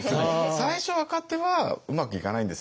最初若手はうまくいかないんですよ。